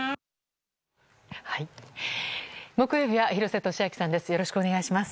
木曜日は廣瀬俊朗さんです。